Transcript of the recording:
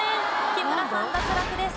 木村さん脱落です。